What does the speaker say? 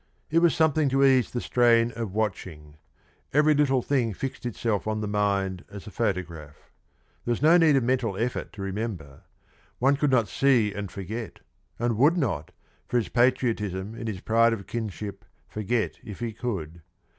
It was something to ease the strain of watching. Every little thing fixed itself on the mind as a photograph. There was no need of mental effort to remember. One could not see and forget, and would not, for his patriotism and his pride of kinship, forget if he could.